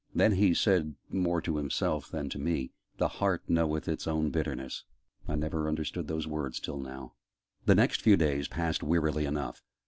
Then he said more to himself than to me, "The heart knoweth its own bitterness. I never understood those words till now." The next few days passed wearily enough.